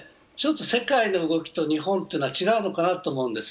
世界の動きと日本は違うのかなという気がします。